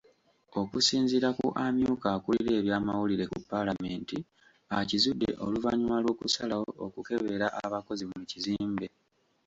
Okusinziira ku amyuka akulira ebyamawulire ku Paalamenti, akizudde oluvannyuma lw'okusalawo okukebera abakozi mu kizimbe.